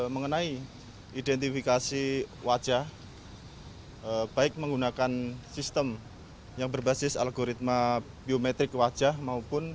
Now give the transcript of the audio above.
mengenai identifikasi wajah baik menggunakan sistem yang berbasis algoritma biometrik wajah maupun